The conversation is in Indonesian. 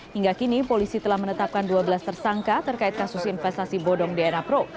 hingga kini polisi telah menetapkan dua belas tersangka terkait kasus investasi bodong dna pro